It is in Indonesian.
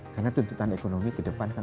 karena tuntutan ekonomi ke depan kan